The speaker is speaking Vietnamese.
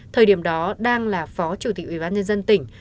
thời điểm đó đang là phó chủ tịch ubnd tỉnh